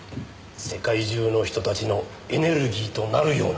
世界中の人たちのエネルギーとなるような。